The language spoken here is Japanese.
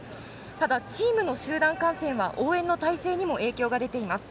ただ、チームの集団感染で応援の態勢にも影響が出ています。